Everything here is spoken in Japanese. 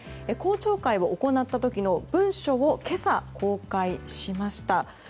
公聴会を行った時の文書を今朝、公開しました。